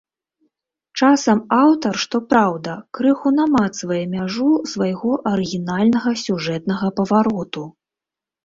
Часам аўтар, што праўда, крыху намацвае мяжу свайго арыгінальнага сюжэтнага павароту.